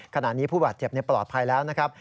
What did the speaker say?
ขณะนี้ผู้บาดเจ็บปลอดภัยแล้วนะครับ